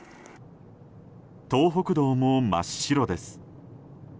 東北道も真っ白です。